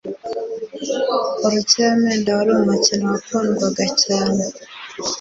Urukiramende warumukino wa kundwaga cyane